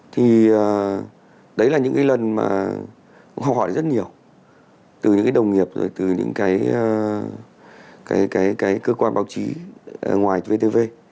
thì đấy là những lần mà họ hỏi rất nhiều từ những đồng nghiệp từ những cơ quan báo chí ngoài vtv